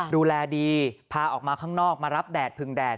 ดูแลดีพาออกมาข้างนอกมารับแดดพึงแดด